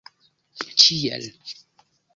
ĉiel